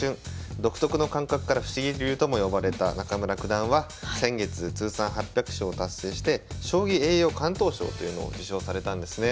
独特の感覚から不思議流とも呼ばれた中村九段は先月通算８００勝を達成して将棋栄誉敢闘賞というのを受賞されたんですね。